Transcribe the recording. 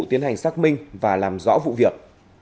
tiến hành xác minh và làm rõ vụ việc